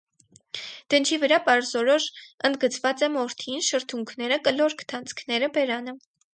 Դնչի վրա պարզորոշ ընդգծված է մորթին, շրթունքները, կլոր քթանցքները, բերանը։